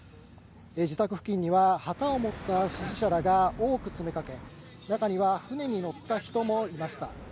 自宅付近には旗を持った支持者らが多く詰めかけ、中には船に乗った人もいました。